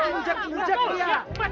kita ujak ujak dia